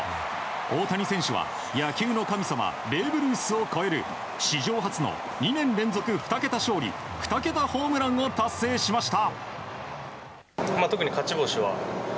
大谷選手は、野球の神様ベーブ・ルースを超える史上初の２年連続２桁勝利２桁ホームランを達成しました。